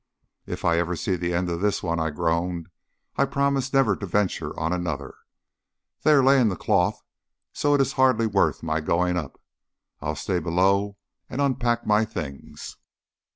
"If ever I see the end of this one," I groaned, "I'll promise never to venture on another. They are laying the cloth, so it's hardly worth while my going up. I'll stay below and unpack my things."